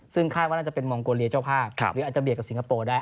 ซึ่งคาดว่าน่าจะเป็นมองโกเลียเจ้าภาพหรืออาจจะเบียดกับสิงคโปร์ได้